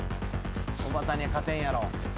おばたには勝てんやろ。